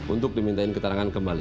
untuk diminta keterangan kembali